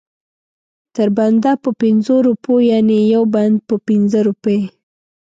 تر بنده په پنځو روپو یعنې یو بند په پنځه روپۍ.